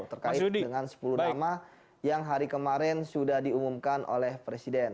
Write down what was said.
terkait dengan sepuluh nama yang hari kemarin sudah diumumkan oleh presiden